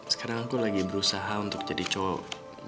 sekarang aku lagi berusaha untuk jadi cowok